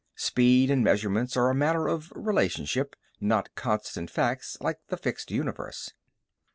Speed and measurements are a matter of relationship, not constant facts like the fixed universe.